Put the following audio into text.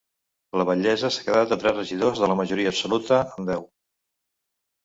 La batllessa s’ha quedat a tres regidors de la majoria absoluta, amb deu.